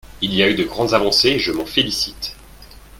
Il y a eu de grandes avancées, et je m’en félicite.